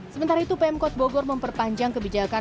sementara itu pemkot bogor memperpanjang kebijakan